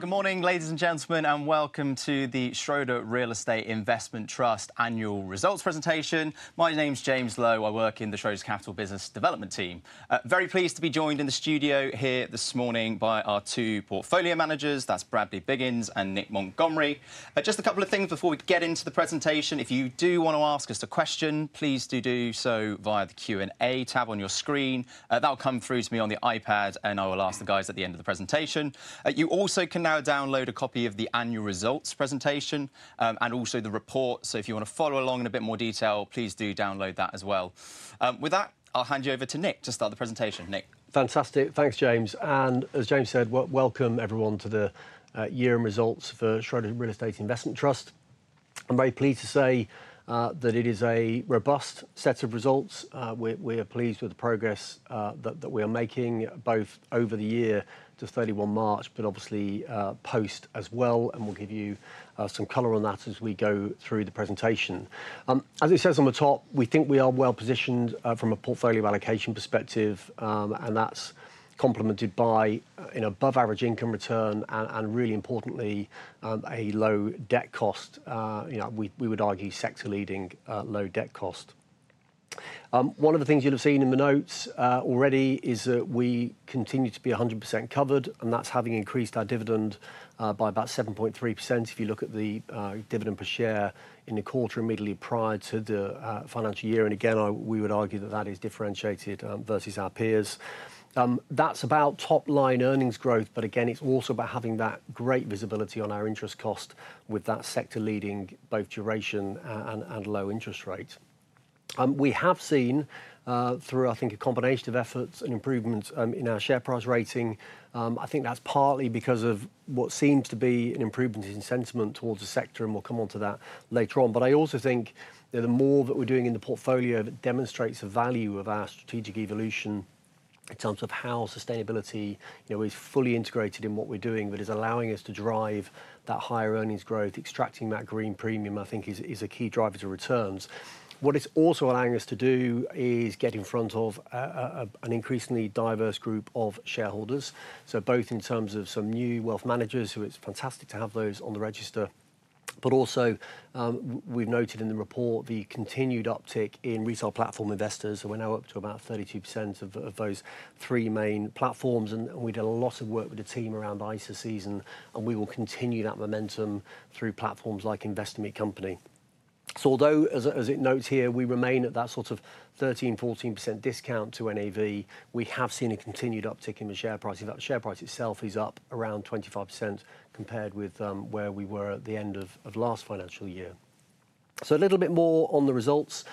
Good morning, ladies and gentlemen, and welcome to the Schroder Real Estate Investment Trust annual results presentation. My name's James Lowe. I work in the Schroders Capital Business Development team. Very pleased to be joined in the studio here this morning by our two portfolio managers. That's Bradley Biggins and Nick Montgomery. Just a couple of things before we get into the presentation. If you do want to ask us a question, please do do so via the Q&A tab on your screen. That'll come through to me on the iPad, and I will ask the guys at the end of the presentation. You also can now download a copy of the annual results presentation and also the report. If you want to follow along in a bit more detail, please do download that as well. With that, I'll hand you over to Nick to start the presentation. Nick. Fantastic. Thanks, James. As James said, welcome everyone to the year-end results for Schroder Real Estate Investment Trust. I'm very pleased to say that it is a robust set of results. We are pleased with the progress that we are making both over the year to 31 March, but obviously post as well. We will give you some color on that as we go through the presentation. As it says on the top, we think we are well positioned from a portfolio allocation perspective, and that is complemented by an above-average income return and, really importantly, a low debt cost. We would argue sector-leading low debt cost. One of the things you will have seen in the notes already is that we continue to be 100% covered, and that is having increased our dividend by about 7.3%. If you look at the dividend per share in the quarter immediately prior to the financial year. We would argue that that is differentiated versus our peers. That is about top-line earnings growth. It is also about having that great visibility on our interest cost with that sector-leading both duration and low interest rate. We have seen through, I think, a combination of efforts and improvements in our share price rating. I think that is partly because of what seems to be an improvement in sentiment towards the sector, and we will come on to that later on. I also think the more that we're doing in the portfolio that demonstrates the value of our strategic evolution in terms of how sustainability is fully integrated in what we're doing, that is allowing us to drive that higher earnings growth, extracting that green premium, I think is a key driver to returns. What it's also allowing us to do is get in front of an increasingly diverse group of shareholders, so both in terms of some new wealth managers, who it's fantastic to have those on the register, but also we've noted in the report the continued uptick in retail platform investors. We're now up to about 32% of those three main platforms. We did a lot of work with the team around ISA Season, and we will continue that momentum through platforms like Investor Meet Company. Although, as it notes here, we remain at that sort of 13-14% discount to NAV, we have seen a continued uptick in the share price. In fact, the share price itself is up around 25% compared with where we were at the end of the last financial year. A little bit more on the results.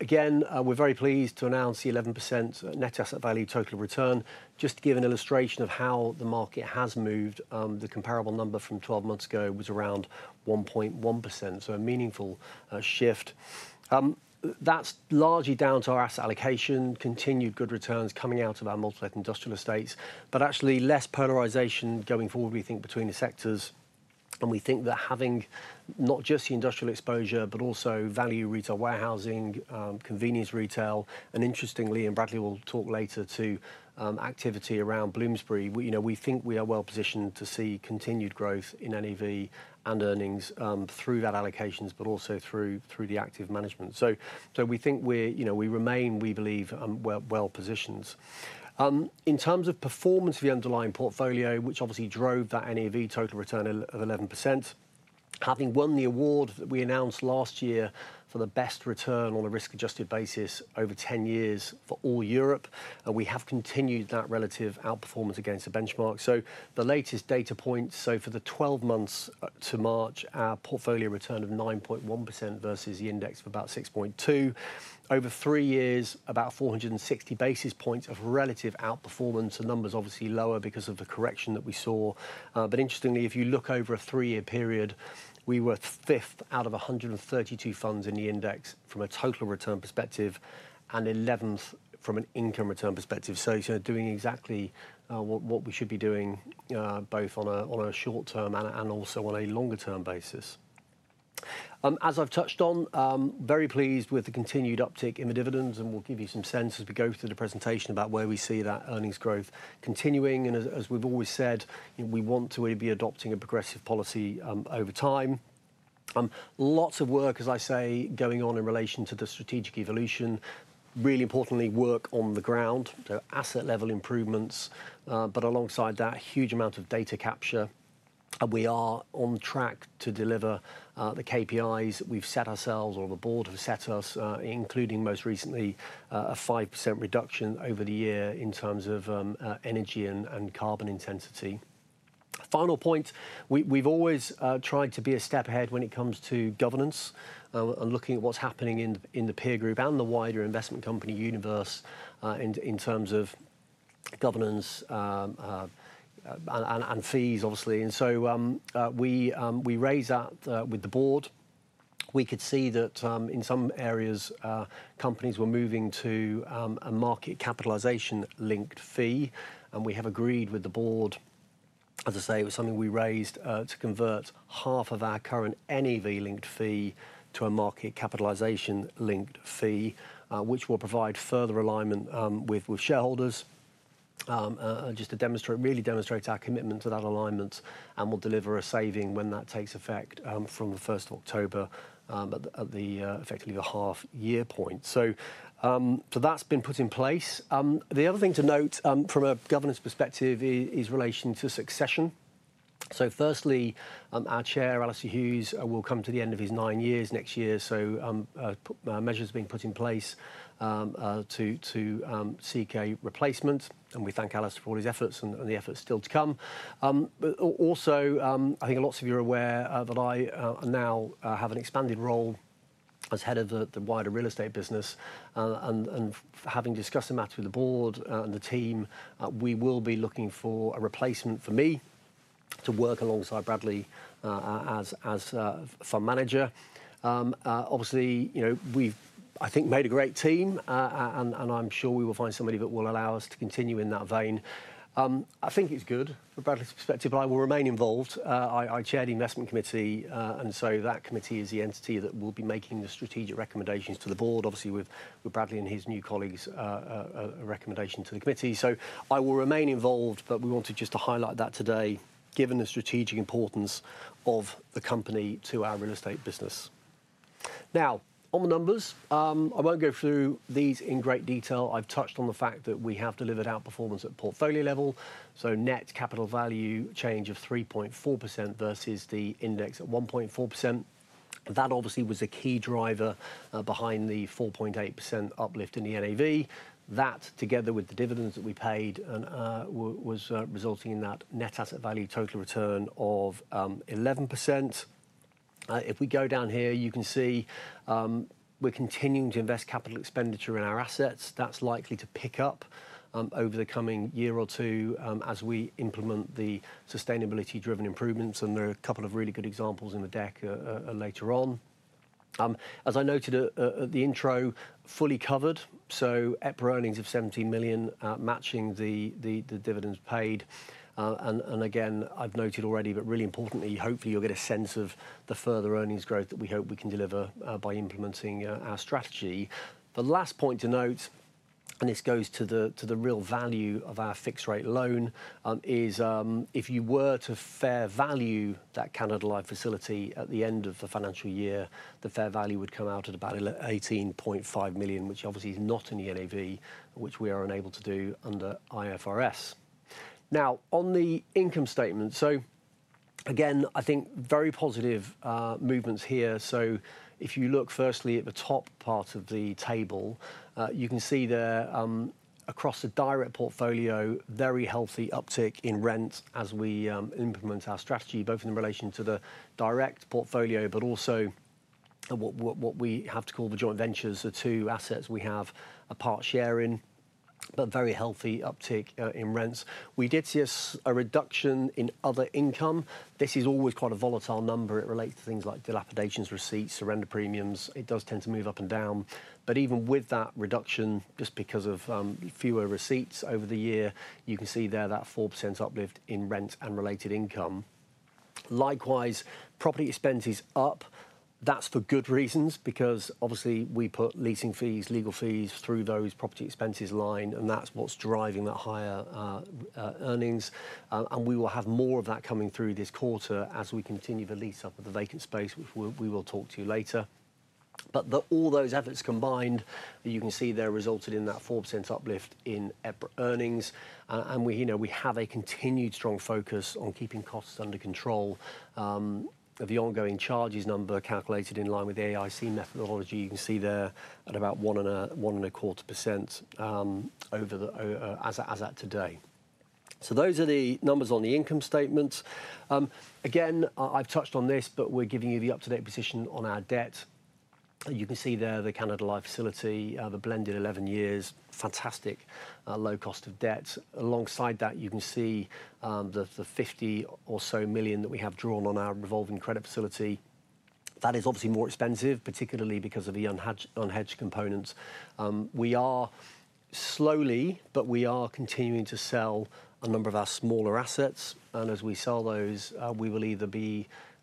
Again, we're very pleased to announce the 11% net asset value total return, just to give an illustration of how the market has moved. The comparable number from 12 months ago was around 1.1%, so a meaningful shift. That's largely down to our asset allocation, continued good returns coming out of our multi-industrial estates, but actually less polarization going forward, we think, between the sectors. We think that having not just the industrial exposure, but also value retail warehousing, convenience retail, and interestingly, and Bradley will talk later to activity around Bloomsbury, we think we are well positioned to see continued growth in NAV and earnings through that allocations, but also through the active management. We think we remain, we believe, well positioned. In terms of performance of the underlying portfolio, which obviously drove that NAV total return of 11%, having won the award that we announced last year for the best return on a risk-adjusted basis over 10 years for all Europe, we have continued that relative outperformance against the benchmark. The latest data points, for the 12 months to March, our portfolio return of 9.1% versus the index of about 6.2%. Over three years, about 460 basis points of relative outperformance. The numbers obviously lower because of the correction that we saw. Interestingly, if you look over a three-year period, we were fifth out of 132 funds in the index from a total return perspective and 11th from an income return perspective. Doing exactly what we should be doing both on a short term and also on a longer term basis. As I've touched on, very pleased with the continued uptick in the dividends. We'll give you some sense as we go through the presentation about where we see that earnings growth continuing. As we've always said, we want to be adopting a progressive policy over time. Lots of work, as I say, going on in relation to the strategic evolution, really importantly, work on the ground, so asset level improvements. Alongside that, huge amount of data capture. We are on track to deliver the KPIs we've set ourselves or the board have set us, including most recently a 5% reduction over the year in terms of energy and carbon intensity. Final point, we've always tried to be a step ahead when it comes to governance and looking at what's happening in the peer group and the wider investment company universe in terms of governance and fees, obviously. We raised that with the board. We could see that in some areas, companies were moving to a market capitalization linked fee. We have agreed with the board, as I say, it was something we raised to convert half of our current NAV linked fee to a market capitalization linked fee, which will provide further alignment with shareholders just to really demonstrate our commitment to that alignment and will deliver a saving when that takes effect from the 1st of October at the effectively the half year point. That has been put in place. The other thing to note from a governance perspective is relation to succession. Firstly, our Chair, Alastair Hughes, will come to the end of his nine years next year. Measures are being put in place to seek a replacement. We thank Alastair for all his efforts and the efforts still to come. Also, I think lots of you are aware that I now have an expanded role as head of the wider real estate business. Having discussed the matter with the board and the team, we will be looking for a replacement for me to work alongside Bradley as fund manager. Obviously, we've, I think, made a great team, and I'm sure we will find somebody that will allow us to continue in that vein. I think it's good from Bradley's perspective, but I will remain involved. I chair the investment committee, and that committee is the entity that will be making the strategic recommendations to the board, obviously with Bradley and his new colleagues, a recommendation to the committee. I will remain involved, but we wanted just to highlight that today, given the strategic importance of the company to our real estate business. Now, on the numbers, I won't go through these in great detail. I've touched on the fact that we have delivered outperformance at portfolio level, so net capital value change of 3.4% versus the index at 1.4%. That obviously was a key driver behind the 4.8% uplift in the NAV. That, together with the dividends that we paid, was resulting in that net asset value total return of 11%. If we go down here, you can see we're continuing to invest capital expenditure in our assets. That's likely to pick up over the coming year or two as we implement the sustainability-driven improvements. There are a couple of really good examples in the deck later on. As I noted at the intro, fully covered. So EPRA earnings of 17 million, matching the dividends paid. I have noted already, but really importantly, hopefully you'll get a sense of the further earnings growth that we hope we can deliver by implementing our strategy. The last point to note, and this goes to the real value of our fixed rate loan, is if you were to fair value that Canada Life facility at the end of the financial year, the fair value would come out at about 18.5 million, which obviously is not in the NAV, which we are unable to do under IFRS. Now, on the income statement, I think very positive movements here. If you look firstly at the top part of the table, you can see there across the direct portfolio, very healthy uptick in rent as we implement our strategy, both in relation to the direct portfolio, but also what we have to call the joint ventures. The two assets we have a part share in, but very healthy uptick in rents. We did see a reduction in other income. This is always quite a volatile number. It relates to things like dilapidations receipts, surrender premiums. It does tend to move up and down. Even with that reduction, just because of fewer receipts over the year, you can see there that 4% uplift in rent and related income. Likewise, property expenses up. That is for good reasons, because obviously we put leasing fees, legal fees through those property expenses line, and that is what is driving that higher earnings. We will have more of that coming through this quarter as we continue to lease up at the vacant space, which we will talk to you later. All those efforts combined, you can see there resulted in that 4% uplift in EPRA earnings. We have a continued strong focus on keeping costs under control. The ongoing charges number calculated in line with the AIC methodology, you can see there at about 1.25% as at today. Those are the numbers on the income statement. Again, I've touched on this, but we're giving you the up-to-date position on our debt. You can see there the Canada Life facility, the blended 11 years, fantastic low cost of debt. Alongside that, you can see the 50 million or so that we have drawn on our revolving credit facility. That is obviously more expensive, particularly because of the unhedged components. We are slowly, but we are continuing to sell a number of our smaller assets. As we sell those, we will either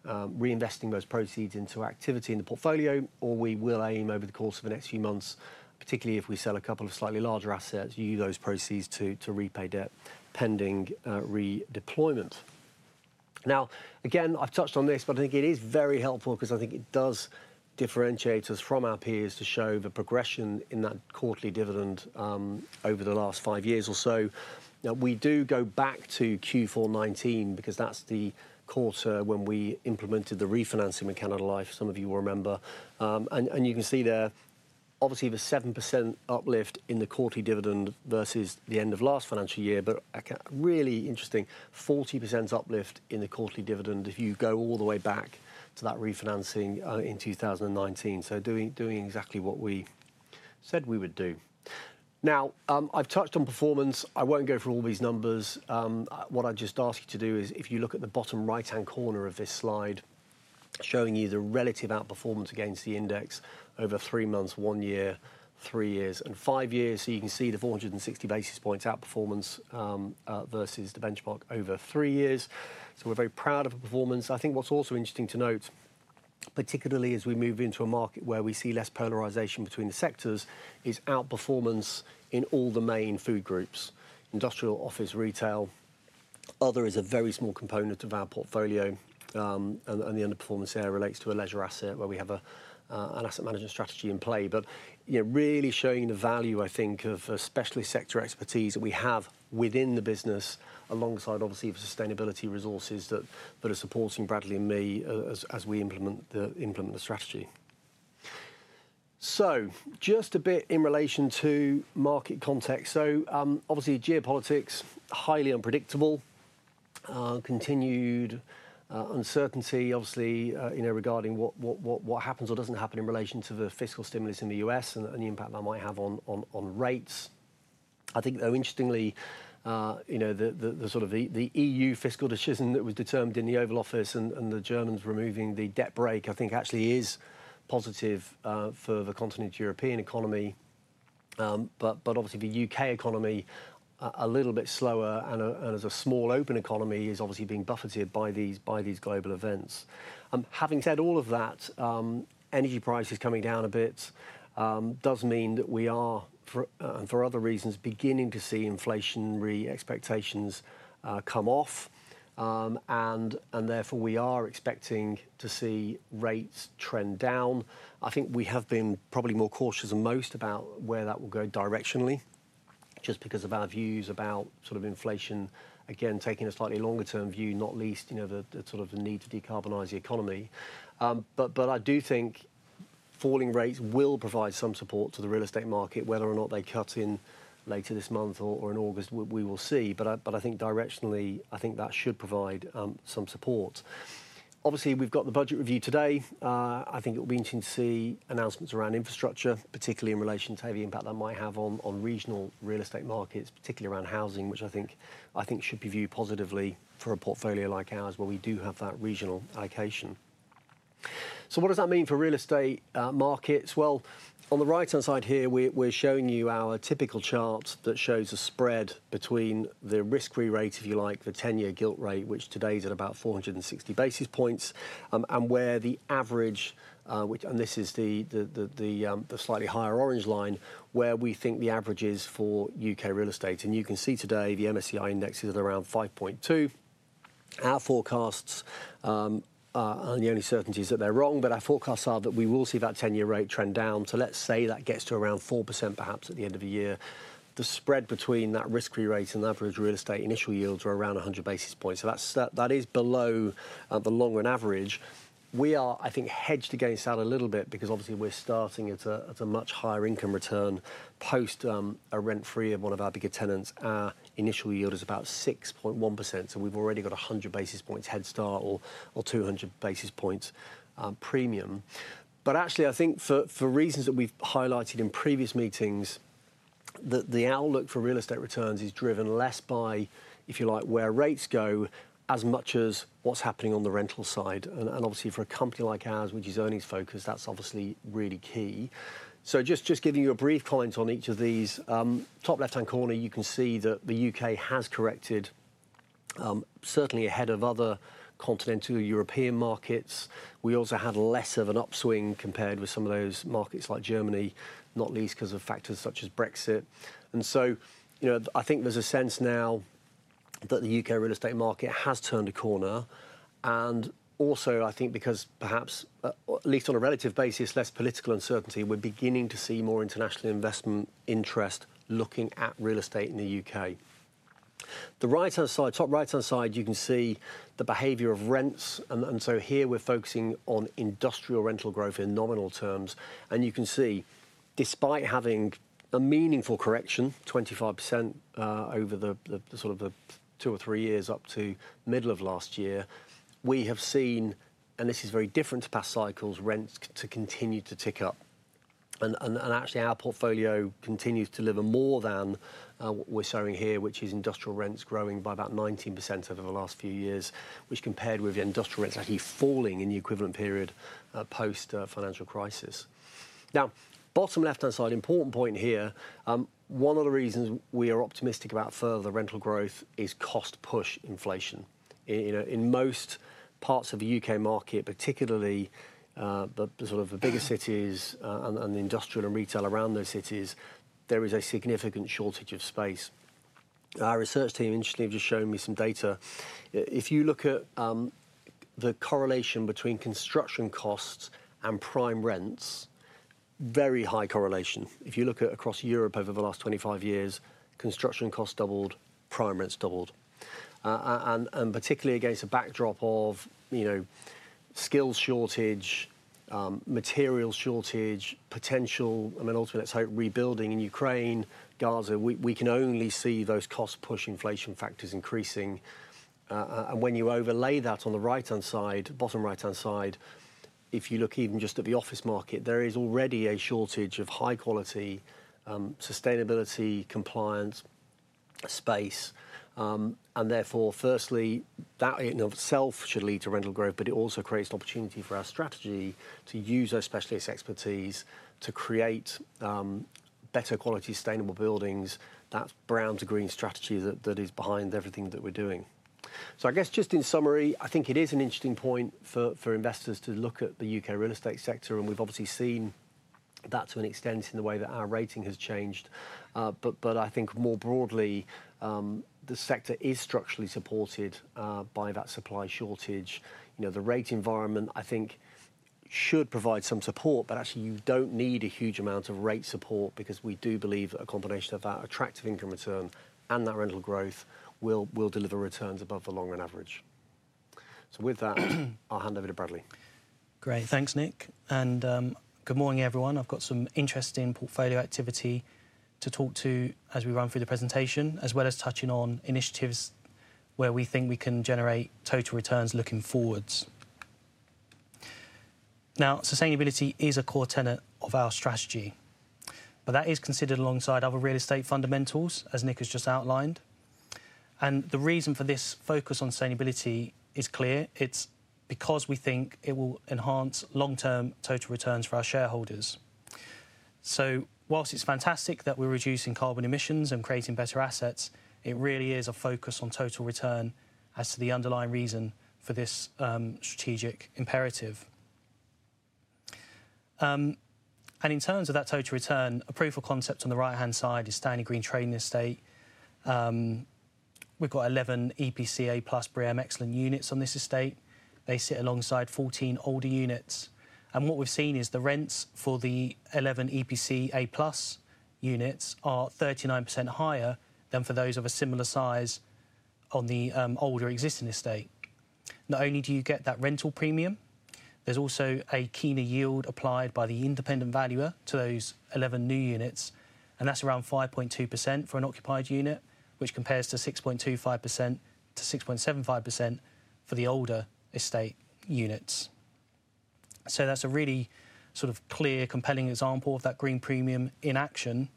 be reinvesting those proceeds into activity in the portfolio, or we will aim over the course of the next few months, particularly if we sell a couple of slightly larger assets, use those proceeds to repay debt pending redeployment. Now, again, I have touched on this, but I think it is very helpful because I think it does differentiate us from our peers to show the progression in that quarterly dividend over the last five years or so. We do go back to Q4 2019 because that is the quarter when we implemented the refinancing with Canada Life, some of you will remember. You can see there, obviously the 7% uplift in the quarterly dividend versus the end of last financial year, but really interesting, 40% uplift in the quarterly dividend if you go all the way back to that refinancing in 2019. Doing exactly what we said we would do. Now, I've touched on performance. I won't go through all these numbers. What I'd just ask you to do is if you look at the bottom right-hand corner of this slide showing you the relative outperformance against the index over three months, one year, three years, and five years. You can see the 460 basis points outperformance versus the benchmark over three years. We're very proud of our performance. I think what's also interesting to note, particularly as we move into a market where we see less polarization between the sectors, is outperformance in all the main food groups, industrial, office, retail. Other is a very small component of our portfolio. The underperformance there relates to a leisure asset where we have an asset management strategy in play. Really showing the value, I think, of specialist sector expertise that we have within the business alongside obviously the sustainability resources that are supporting Bradley and me as we implement the strategy. Just a bit in relation to market context. Obviously geopolitics, highly unpredictable, continued uncertainty, obviously regarding what happens or doesn't happen in relation to the fiscal stimulus in the U.S. and the impact that might have on rates. I think though, interestingly, the sort of the EU fiscal decision that was determined in the Oval Office and the Germans removing the debt break, I think actually is positive for the continental European economy. Obviously the U.K. economy, a little bit slower and as a small open economy is obviously being buffeted by these global events. Having said all of that, energy prices coming down a bit does mean that we are, for other reasons, beginning to see inflationary expectations come off. Therefore we are expecting to see rates trend down. I think we have been probably more cautious than most about where that will go directionally, just because of our views about sort of inflation, again, taking a slightly longer term view, not least the sort of the need to decarbonize the economy. I do think falling rates will provide some support to the real estate market, whether or not they cut in later this month or in August, we will see. I think directionally, I think that should provide some support. Obviously, we've got the budget review today. I think it will be interesting to see announcements around infrastructure, particularly in relation to heavy impact that might have on regional real estate markets, particularly around housing, which I think should be viewed positively for a portfolio like ours where we do have that regional allocation. What does that mean for real estate markets? On the right-hand side here, we're showing you our typical chart that shows a spread between the risk-free rate, if you like, the 10-year gilt rate, which today is at about 460 basis points, and where the average, and this is the slightly higher orange line, where we think the average is for U.K. real estate. You can see today the MSCI index is at around 5.2. Our forecasts, and the only certainty is that they're wrong, but our forecasts are that we will see that 10-year rate trend down. Let's say that gets to around 4% perhaps at the end of the year. The spread between that risk-free rate and the average real estate initial yields are around 100 basis points. That is below the long run average. We are, I think, hedged against that a little bit because obviously we're starting at a much higher income return post a rent-free of one of our bigger tenants. Our initial yield is about 6.1%. We have already got 100 basis points head start or 200 basis points premium. Actually, I think for reasons that we have highlighted in previous meetings, the outlook for real estate returns is driven less by, if you like, where rates go as much as what is happening on the rental side. Obviously for a company like ours, which is earnings focused, that is really key. Just giving you a brief comment on each of these. Top left-hand corner, you can see that the U.K. has corrected, certainly ahead of other continental European markets. We also had less of an upswing compared with some of those markets like Germany, not least because of factors such as Brexit. I think there is a sense now that the U.K. real estate market has turned a corner. I think because perhaps, at least on a relative basis, less political uncertainty, we are beginning to see more international investment interest looking at real estate in the U.K. The right-hand side, top right-hand side, you can see the behavior of rents. Here we are focusing on industrial rental growth in nominal terms. You can see, despite having a meaningful correction, 25% over the sort of two or three years up to middle of last year, we have seen, and this is very different to past cycles, rents continue to tick up. Our portfolio continues to deliver more than what we're showing here, which is industrial rents growing by about 19% over the last few years, which compared with the industrial rents actually falling in the equivalent period post financial crisis. Now, bottom left-hand side, important point here. One of the reasons we are optimistic about further rental growth is cost push inflation. In most parts of the U.K. market, particularly the sort of the bigger cities and the industrial and retail around those cities, there is a significant shortage of space. Our research team interestingly have just shown me some data. If you look at the correlation between construction costs and prime rents, very high correlation. If you look at across Europe over the last 25 years, construction costs doubled, prime rents doubled. Particularly against a backdrop of skills shortage, material shortage, potential, I mean, ultimately, let's say rebuilding in Ukraine, Gaza, we can only see those cost push inflation factors increasing. When you overlay that on the right-hand side, bottom right-hand side, if you look even just at the office market, there is already a shortage of high-quality sustainability compliance space. Therefore, firstly, that in itself should lead to rental growth, but it also creates an opportunity for our strategy to use our specialist expertise to create better quality sustainable buildings. That is brown to green strategy that is behind everything that we're doing. I guess just in summary, I think it is an interesting point for investors to look at the U.K. real estate sector. We have obviously seen that to an extent in the way that our rating has changed. I think more broadly, the sector is structurally supported by that supply shortage. The rate environment, I think, should provide some support, but actually you do not need a huge amount of rate support because we do believe a combination of that attractive income return and that rental growth will deliver returns above the long run average. With that, I will hand over to Bradley. Great. Thanks, Nick. Good morning, everyone. I have got some interesting portfolio activity to talk to as we run through the presentation, as well as touching on initiatives where we think we can generate total returns looking forwards. Now, sustainability is a core tenet of our strategy, but that is considered alongside other real estate fundamentals, as Nick has just outlined. The reason for this focus on sustainability is clear. It is because we think it will enhance long-term total returns for our shareholders. Whilst it's fantastic that we're reducing carbon emissions and creating better assets, it really is a focus on total return as to the underlying reason for this strategic imperative. In terms of that total return, a proof of concept on the right-hand side is Stanley Green Trading Estate. We've got 11 EPC A+ BREEAM Excellent units on this estate. They sit alongside 14 older units. What we've seen is the rents for the 11 EPC A+ units are 39% higher than for those of a similar size on the older existing estate. Not only do you get that rental premium, there's also a keener yield applied by the independent valuer to those 11 new units. That's around 5.2% for an occupied unit, which compares to 6.25%-6.75% for the older estate units. That is a really sort of clear, compelling example of that green premium in action.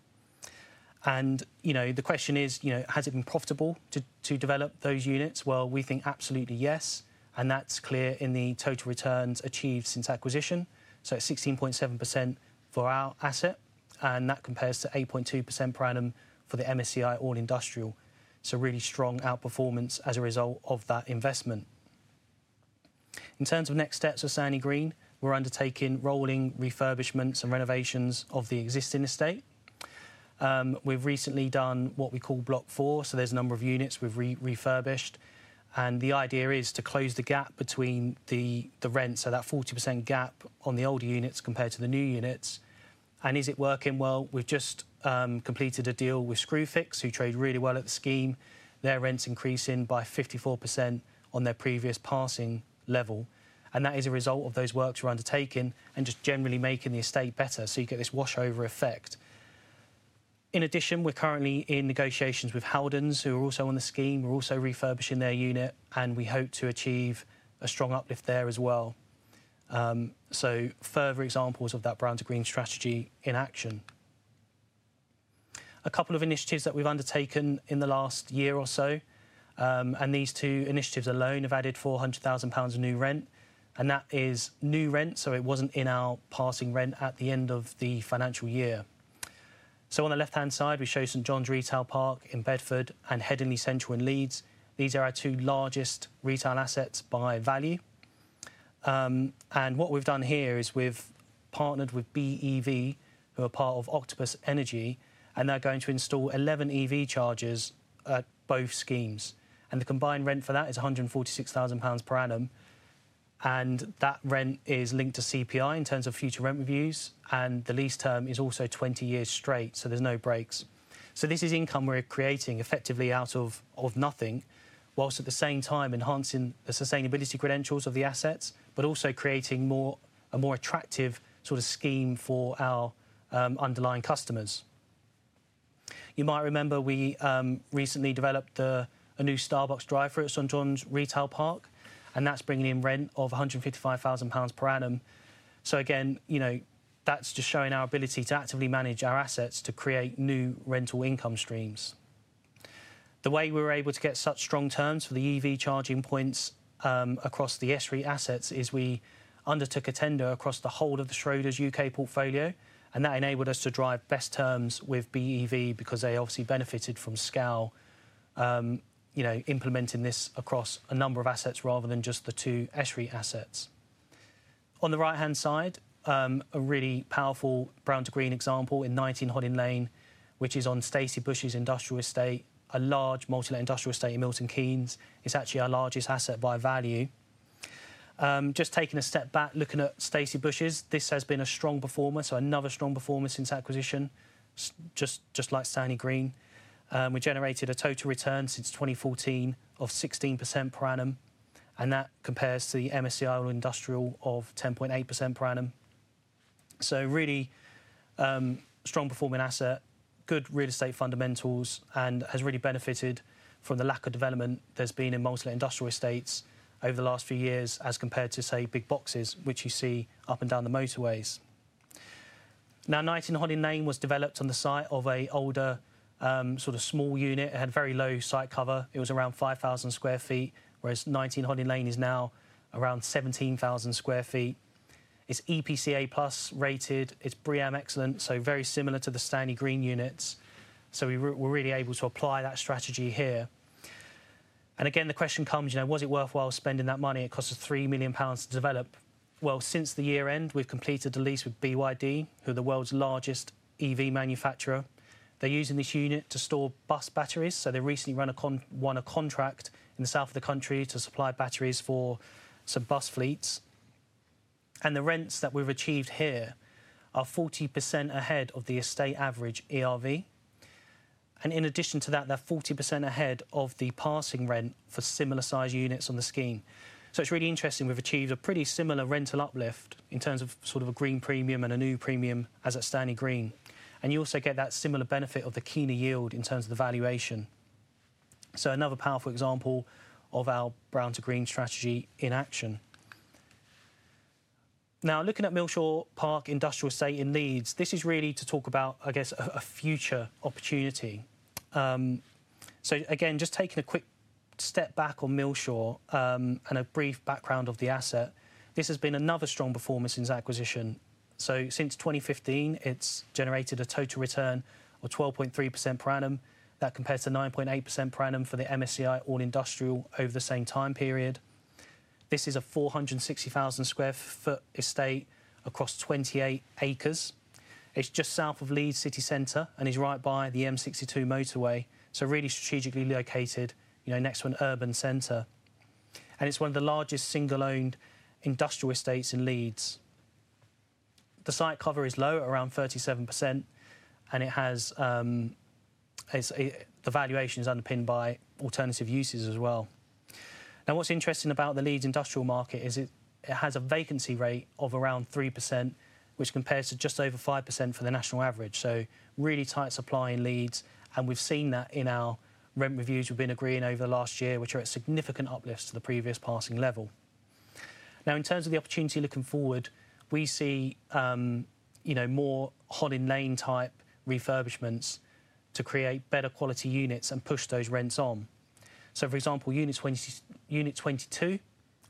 The question is, has it been profitable to develop those units? We think absolutely yes. That is clear in the total returns achieved since acquisition. It is 16.7% for our asset, and that compares to 8.2% per annum for the MSCI All Industrial. Really strong outperformance as a result of that investment. In terms of next steps for Stanley Green, we are undertaking rolling refurbishments and renovations of the existing estate. We have recently done what we call block four, so there are a number of units we have refurbished. The idea is to close the gap between the rents, so that 40% gap on the older units compared to the new units. Is it working? We have just completed a deal with Screwfix, who trade really well at the scheme. Their rents increasing by 54% on their previous passing level. That is a result of those works we're undertaking and just generally making the estate better. You get this washover effect. In addition, we're currently in negotiations with Heldens, who are also on the scheme. We're also refurbishing their unit. We hope to achieve a strong uplift there as well. Further examples of that brown to green strategy in action. A couple of initiatives that we've undertaken in the last year or so. These two initiatives alone have added 400,000 pounds of new rent. That is new rent, so it wasn't in our passing rent at the end of the financial year. On the left-hand side, we show some John's Retail Park in Bedford and Headingley Central in Leeds. These are our two largest retail assets by value. What we've done here is we've partnered with BEV, who are part of Octopus Energy. They're going to install 11 EV chargers at both schemes. The combined rent for that is 146,000 pounds per annum. That rent is linked to CPI in terms of future rent reviews. The lease term is also 20 years straight. There are no breaks. This is income we're creating effectively out of nothing, whilst at the same time enhancing the sustainability credentials of the assets, but also creating a more attractive sort of scheme for our underlying customers. You might remember we recently developed a new Starbucks drive for us on John's Retail Park. That's bringing in rent of 155,000 pounds per annum. Again, that's just showing our ability to actively manage our assets to create new rental income streams. The way we were able to get such strong terms for the EV charging points across the SREI assets is we undertook a tender across the whole of the Schroder's U.K. portfolio. That enabled us to drive best terms with BEV because they obviously benefited from SREIT implementing this across a number of assets rather than just the two SREI assets. On the right-hand side, a really powerful brown to green example in 19 Hodding Lane, which is on Stacey Bushes Industrial Estate, a large multi-let industrial estate in Milton Keynes. It is actually our largest asset by value. Just taking a step back, looking at Stacey Bushes, this has been a strong performer. Another strong performer since acquisition, just like Stanley Green. We generated a total return since 2014 of 16% per annum. That compares to the MSCI All Industrial of 10.8% per annum. Really strong performing asset, good real estate fundamentals, and has really benefited from the lack of development there's been in multi-layer industrial estates over the last few years as compared to, say, big boxes, which you see up and down the motorways. Now, 19 Hodding Lane was developed on the site of an older sort of small unit. It had very low site cover. It was around 5,000 sq ft, whereas 19 Hodding Lane is now around 17,000 sq ft. It's EPC A+ rated. It's BREEAM Excellent. Very similar to the Stanley Green units. We were really able to apply that strategy here. Again, the question comes, was it worthwhile spending that money? It costs us 3 million pounds to develop. Since the year end, we've completed the lease with BYD, who are the world's largest EV manufacturer. They're using this unit to store bus batteries. They recently won a contract in the south of the country to supply batteries for some bus fleets. The rents that we've achieved here are 40% ahead of the estate average ERV. In addition to that, they're 40% ahead of the passing rent for similar size units on the scheme. It's really interesting. We've achieved a pretty similar rental uplift in terms of sort of a green premium and a new premium as at Stanley Green. You also get that similar benefit of the keener yield in terms of the valuation. Another powerful example of our brown to green strategy in action. Now, looking at Millshaw Park Industrial Estate in Leeds, this is really to talk about, I guess, a future opportunity. Again, just taking a quick step back on Millshaw and a brief background of the asset, this has been another strong performance since acquisition. Since 2015, it has generated a total return of 12.3% per annum. That compares to 9.8% per annum for the MSCI All Industrial over the same time period. This is a 460,000 sq ft estate across 28 acres. It is just south of Leeds City Centre and is right by the M62 motorway. Really strategically located next to an urban centre. It is one of the largest single-owned industrial estates in Leeds. The site cover is low at around 37%. The valuation is underpinned by alternative uses as well. Now, what is interesting about the Leeds industrial market is it has a vacancy rate of around 3%, which compares to just over 5% for the national average. Really tight supply in Leeds. We have seen that in our rent reviews we have been agreeing over the last year, which are a significant uplift to the previous passing level. In terms of the opportunity looking forward, we see more Hodding Lane type refurbishments to create better quality units and push those rents on. For example, unit 22,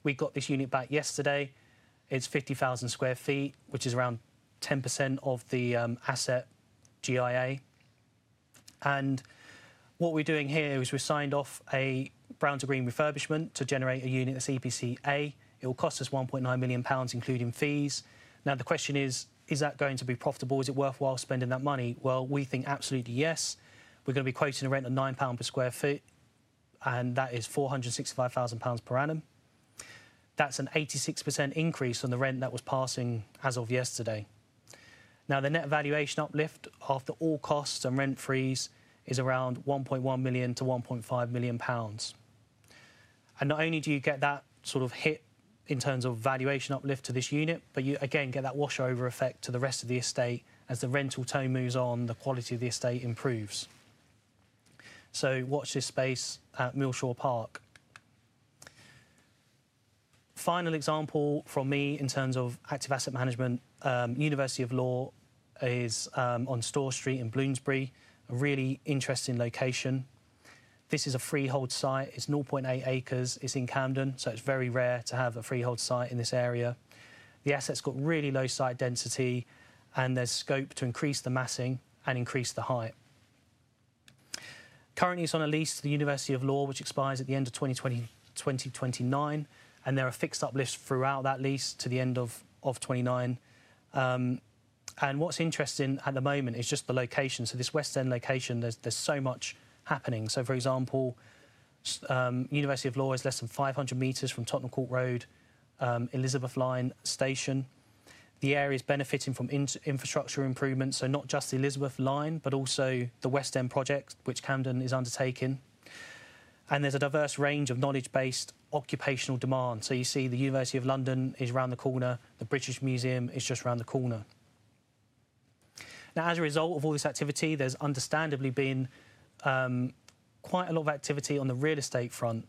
we got this unit back yesterday. It is 50,000 sq ft, which is around 10% of the asset GIA. What we are doing here is we have signed off a brown to green refurbishment to generate a unit that is EPC A. It will cost us 1.9 million pounds including fees. The question is, is that going to be profitable? Is it worthwhile spending that money? We think absolutely yes. We are going to be quoting a rent of 9 pound per sq ft. That is 465,000 pounds per annum. That's an 86% increase on the rent that was passing as of yesterday. Now, the net valuation uplift after all costs and rent freeze is around 1.1 million-1.5 million pounds. Not only do you get that sort of hit in terms of valuation uplift to this unit, but you again get that washover effect to the rest of the estate as the rental tone moves on, the quality of the estate improves. Watch this space at Millshaw Park. Final example from me in terms of active asset management, University of Law is on Store Street in Bloomsbury, a really interesting location. This is a freehold site. It's 0.8 acres. It's in Camden. It's very rare to have a freehold site in this area. The asset's got really low site density. There's scope to increase the massing and increase the height. Currently, it's on a lease to the University of Law, which expires at the end of 2029. There are fixed uplifts throughout that lease to the end of 2029. What's interesting at the moment is just the location. This West End location, there's so much happening. For example, University of Law is less than 500 meters from Tottenham Court Road, Elizabeth Line station. The area is benefiting from infrastructure improvements. Not just the Elizabeth Line, but also the West End project, which Camden is undertaking. There's a diverse range of knowledge-based occupational demands. You see the University of London is around the corner. The British Museum is just around the corner. As a result of all this activity, there's understandably been quite a lot of activity on the real estate front.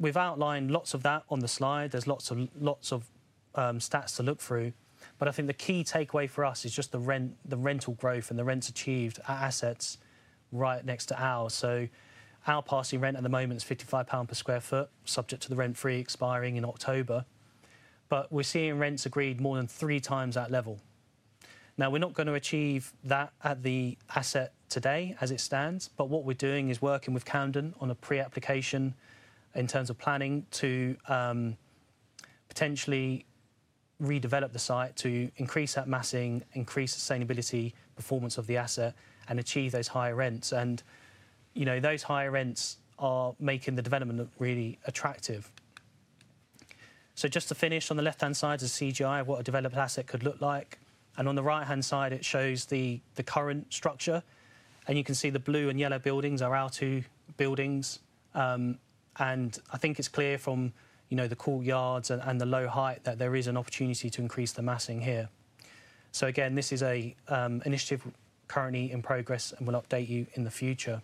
We've outlined lots of that on the slide. There's lots of stats to look through. I think the key takeaway for us is just the rental growth and the rents achieved at assets right next to ours. Our passing rent at the moment is 55 pounds per sq ft, subject to the rent free expiring in October. We're seeing rents agreed more than three times that level. Now, we're not going to achieve that at the asset today as it stands. What we're doing is working with Camden on a pre-application in terms of planning to potentially redevelop the site to increase that massing, increase sustainability performance of the asset, and achieve those higher rents. Those higher rents are making the development really attractive. Just to finish, on the left-hand side is a CGI of what a developed asset could look like. On the right-hand side, it shows the current structure. You can see the blue and yellow buildings are our two buildings. I think it's clear from the courtyards and the low height that there is an opportunity to increase the massing here. This is an initiative currently in progress and we'll update you in the future.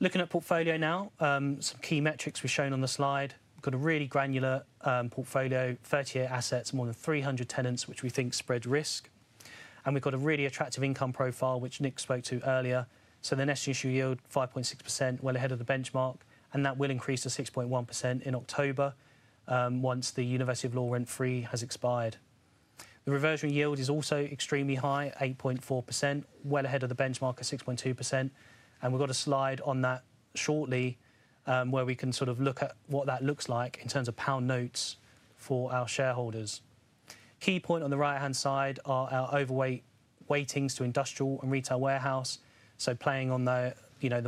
Looking at portfolio now, some key metrics we've shown on the slide. We've got a really granular portfolio, 38 assets, more than 300 tenants, which we think spread risk. We've got a really attractive income profile, which Nick spoke to earlier. The net initial yield, 5.6%, well ahead of the benchmark. That will increase to 6.1% in October once the University of Law rent free has expired. The reversionary yield is also extremely high, 8.4%, well ahead of the benchmark at 6.2%. We have a slide on that shortly where we can sort of look at what that looks like in terms of pound notes for our shareholders. Key point on the right-hand side are our overweight weightings to industrial and retail warehouse. Playing on the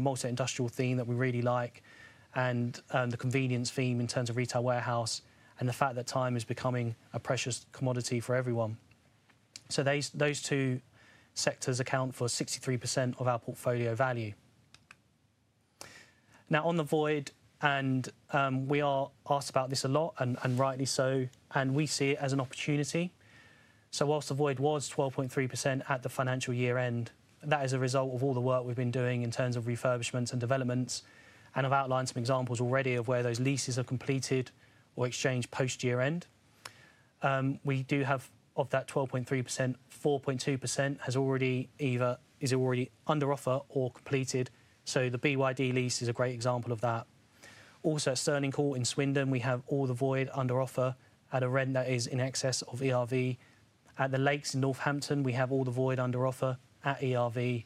multi-industrial theme that we really like and the convenience theme in terms of retail warehouse and the fact that time is becoming a precious commodity for everyone. Those two sectors account for 63% of our portfolio value. Now, on the void, and we are asked about this a lot and rightly so, we see it as an opportunity. Whilst the void was 12.3% at the financial year end, that is a result of all the work we have been doing in terms of refurbishments and developments. I have outlined some examples already of where those leases are completed or exchanged post-year end. We do have of that 12.3%, 4.2% has already either is already under offer or completed. The BYD lease is a great example of that. Also at Sterling Court in Swindon, we have all the void under offer at a rent that is in excess of ERV. At The Lakes in Northampton, we have all the void under offer at ERV.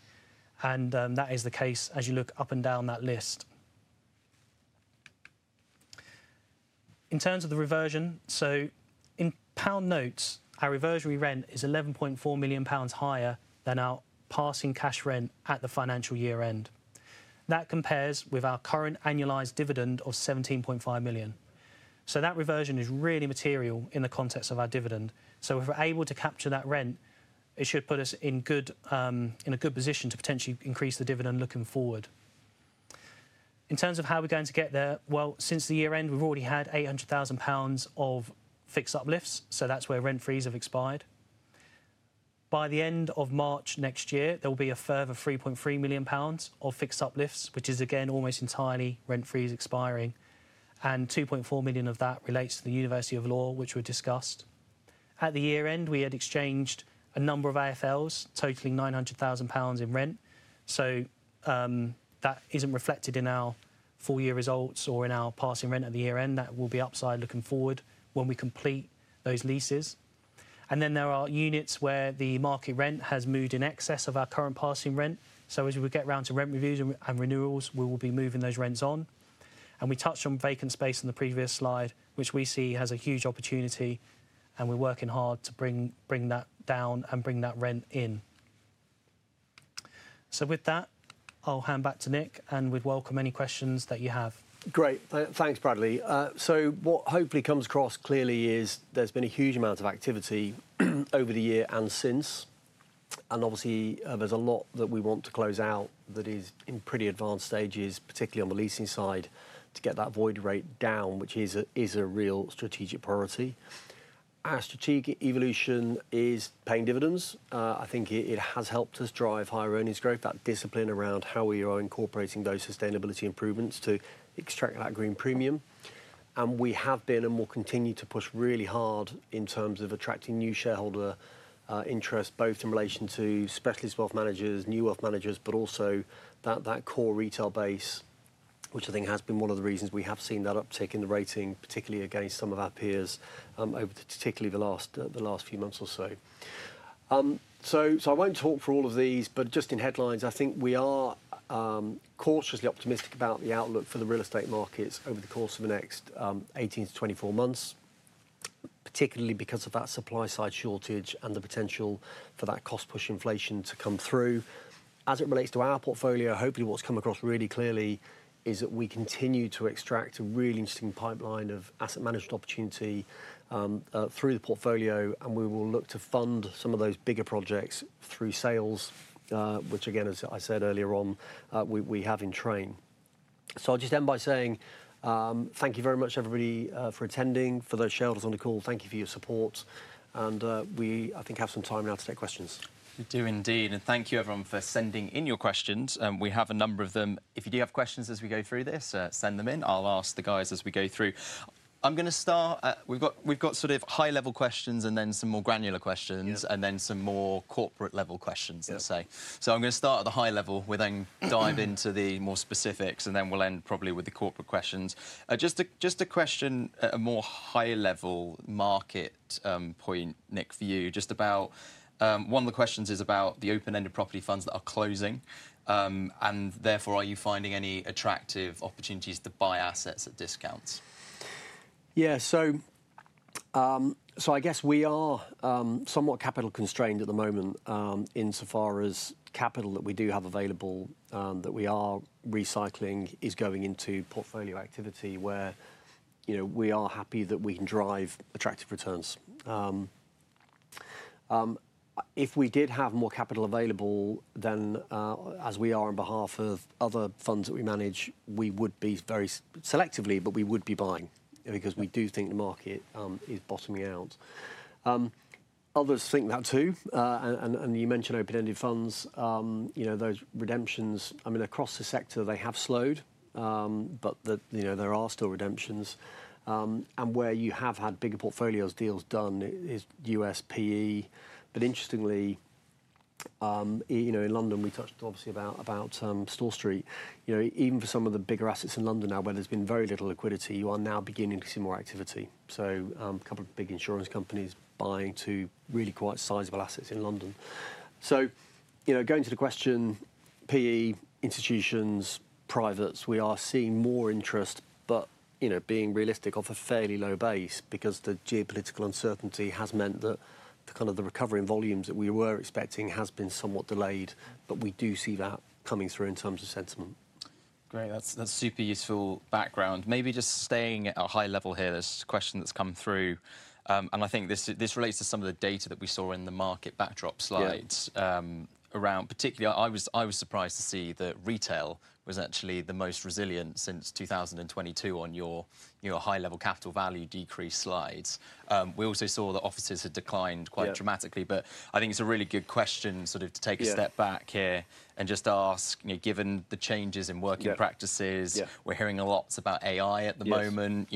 That is the case as you look up and down that list. In terms of the reversion, in pound notes, our reversionary rent is 11.4 million pounds higher than our passing cash rent at the financial year end. That compares with our current annualized dividend of 17.5 million. That reversion is really material in the context of our dividend. If we're able to capture that rent, it should put us in a good position to potentially increase the dividend looking forward. In terms of how we're going to get there, since the year end, we've already had 800,000 pounds of fixed uplifts. That's where rent frees have expired. By the end of March next year, there will be a further 3.3 million pounds of fixed uplifts, which is again almost entirely rent frees expiring. 2.4 million of that relates to the University of Law, which we've discussed. At the year end, we had exchanged a number of AFLs totaling 900,000 pounds in rent. That isn't reflected in our full year results or in our passing rent at the year end. That will be upside looking forward when we complete those leases. There are units where the market rent has moved in excess of our current passing rent. As we get around to rent reviews and renewals, we will be moving those rents on. We touched on vacant space on the previous slide, which we see as a huge opportunity. We are working hard to bring that down and bring that rent in. With that, I'll hand back to Nick. We would welcome any questions that you have. Great. Thanks, Bradley. What hopefully comes across clearly is there has been a huge amount of activity over the year and since. Obviously, there is a lot that we want to close out that is in pretty advanced stages, particularly on the leasing side, to get that void rate down, which is a real strategic priority. Our strategic evolution is paying dividends. I think it has helped us drive higher earnings growth, that discipline around how we are incorporating those sustainability improvements to extract that green premium. We have been and will continue to push really hard in terms of attracting new shareholder interest, both in relation to specialist wealth managers, new wealth managers, but also that core retail base, which I think has been one of the reasons we have seen that uptick in the rating, particularly against some of our peers over particularly the last few months or so. I will not talk for all of these, but just in headlines, I think we are cautiously optimistic about the outlook for the real estate markets over the course of the next 18-24 months, particularly because of that supply side shortage and the potential for that cost push inflation to come through. As it relates to our portfolio, hopefully what has come across really clearly is that we continue to extract a really interesting pipeline of asset management opportunity through the portfolio. We will look to fund some of those bigger projects through sales, which again, as I said earlier on, we have in train. I'll just end by saying thank you very much, everybody, for attending, for those shareholders on the call. Thank you for your support. We, I think, have some time now to take questions. We do indeed. Thank you, everyone, for sending in your questions. We have a number of them. If you do have questions as we go through this, send them in. I'll ask the guys as we go through. I'm going to start. We've got sort of high-level questions and then some more granular questions and then some more corporate-level questions, let's say. I'm going to start at the high level. We'll then dive into the more specifics, and then we'll end probably with the corporate questions. Just a question, a more high-level market point, Nick, for you. Just about one of the questions is about the open-ended property funds that are closing. Therefore, are you finding any attractive opportunities to buy assets at discounts? Yeah. I guess we are somewhat capital constrained at the moment in Schroders Capital. The capital that we do have available that we are recycling is going into portfolio activity where we are happy that we can drive attractive returns. If we did have more capital available, then as we are on behalf of other funds that we manage, we would be very selectively, but we would be buying because we do think the market is bottoming out. Others think that too. You mentioned open-ended funds. Those redemptions, I mean, across the sector, they have slowed, but there are still redemptions. Where you have had bigger portfolio deals done is USPE. Interestingly, in London, we touched obviously about Store Street. Even for some of the bigger assets in London now, where there has been very little liquidity, you are now beginning to see more activity. A couple of big insurance companies are buying really quite sizable assets in London. Going to the question, PE, institutions, privates, we are seeing more interest, but being realistic, off a fairly low base because the geopolitical uncertainty has meant that the kind of recovery in volumes that we were expecting has been somewhat delayed. We do see that coming through in terms of sentiment. Great. That is super useful background. Maybe just staying at a high level here, there is a question that has come through. I think this relates to some of the data that we saw in the market backdrop slides around particularly I was surprised to see that retail was actually the most resilient since 2022 on your high-level capital value decrease slides. We also saw that offices had declined quite dramatically. I think it is a really good question to take a step back here and just ask, given the changes in working practices, we are hearing a lot about AI at the moment.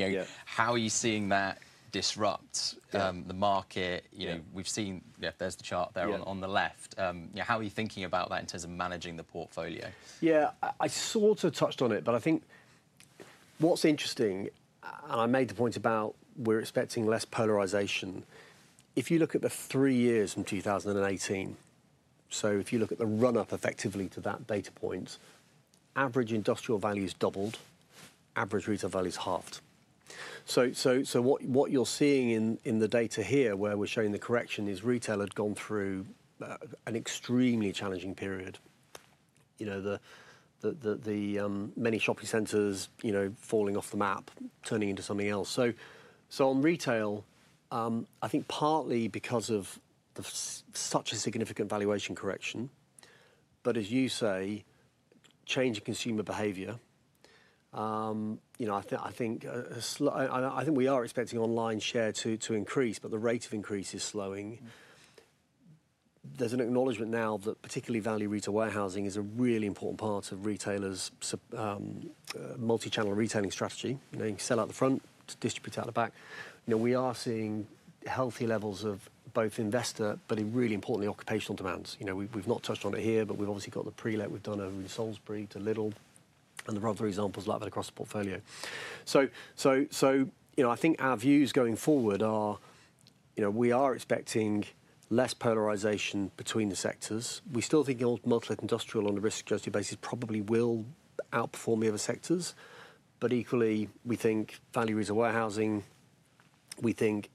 How are you seeing that disrupt the market? We have seen, yeah, there is the chart there on the left. How are you thinking about that in terms of managing the portfolio? I sort of touched on it, but I think what is interesting, and I made the point about we are expecting less polarization. If you look at the three years from 2018, so if you look at the run-up effectively to that data point, average industrial value has doubled, average retail value has halved. What you are seeing in the data here where we are showing the correction is retail had gone through an extremely challenging period, the many shopping centers falling off the map, turning into something else. On retail, I think partly because of such a significant valuation correction, but as you say, changing consumer behavior. I think we are expecting online share to increase, but the rate of increase is slowing. There is an acknowledgement now that particularly value retail warehousing is a really important part of retailers' multi-channel retailing strategy. You sell out the front, distribute out the back. We are seeing healthy levels of both investor, but really importantly, occupational demands. We've not touched on it here, but we've obviously got the pre-let. We've done a Salisbury to Lidl. And there are other examples like that across the portfolio. I think our views going forward are we are expecting less polarization between the sectors. We still think multi-let industrial on a risk adjusted basis probably will outperform the other sectors. But equally, we think value retail warehousing, we think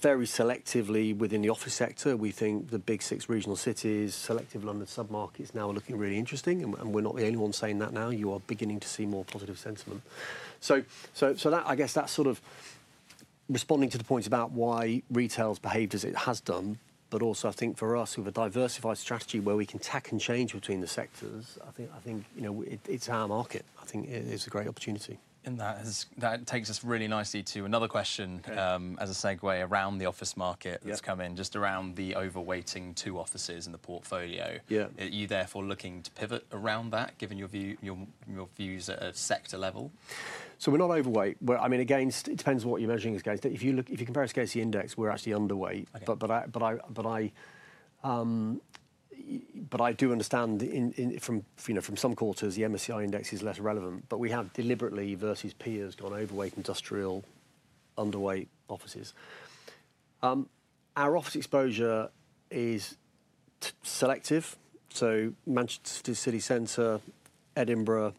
very selectively within the office sector, we think the big six regional cities, selective London submarkets now are looking really interesting. We're not the only ones saying that now. You are beginning to see more positive sentiment. I guess that's sort of responding to the points about why retail's behaved as it has done. Also, I think for us, we have a diversified strategy where we can tack and change between the sectors. I think it's our market. I think it's a great opportunity. That takes us really nicely to another question as a segue around the office market that's come in, just around the overweighting to offices in the portfolio. Are you therefore looking to pivot around that, given your views at a sector level? We're not overweight. I mean, again, it depends on what you're measuring as GSE. If you compare us against the index, we're actually underweight. I do understand from some quarters, the MSCI index is less relevant. We have deliberately versus peers gone overweight industrial, underweight offices. Our office exposure is selective. Manchester City Centre, Edinburgh.